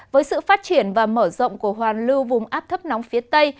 với sự phát triển và mở rộng của hoàn lưu vùng áp thấp nóng phía tây